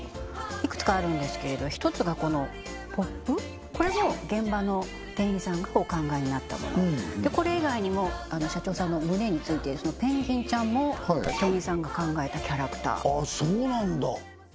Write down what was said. いくつかあるんですけれど１つがこのＰＯＰこれも現場の店員さんがお考えになったものこれ以外にも社長さんの胸についているそのペンギンちゃんも店員さんが考えたキャラクターああそうなんだ！